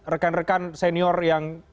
rekan rekan senior yang